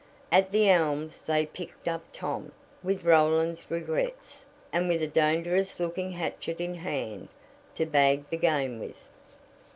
At The Elms they picked up Tom, with Roland's regrets, and with a dangerous looking hatchet in hand to bag the game with.